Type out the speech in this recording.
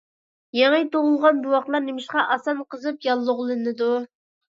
يېڭى تۇغۇلغان بوۋاقلار نېمىشقا ئاسان قىزىپ ياللۇغلىنىدۇ؟